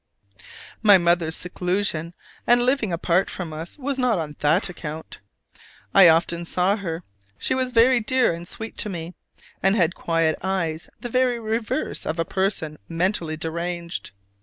My mother's seclusion and living apart from us was not on that account. I often saw her: she was very dear and sweet to me, and had quiet eyes the very reverse of a person mentally deranged.